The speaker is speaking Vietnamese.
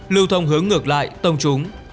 lưu thông hướng ngược lại tông chúng